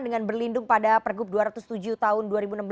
dengan berlindung pada pergub dua ratus tujuh tahun dua ribu enam belas